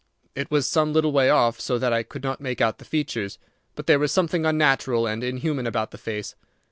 I was some little way off, so that I could not make out the features, but there was something unnatural and inhuman about the face.